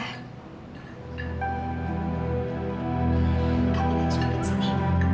kamilah suapin sini